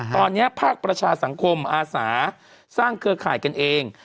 ตอนนี้ภาคประชาสังคมอาสาสร้างเครือข่ายกันเอง